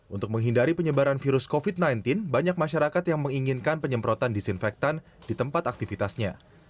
untuk menghindari penyebaran virus covid sembilan belas banyak masyarakat yang menginginkan penyemprotan disinfektan di tempat aktivitasnya